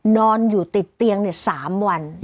นอนอยู่ติดเตียงเนี่ย๓วัน